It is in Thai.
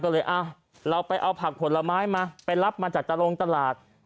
ก็เลยเราไปเอาผักผลไม้มาไปรับมาจากตาลงตลาด